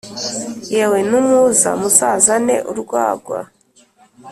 yewe numuza muzazane urwagwa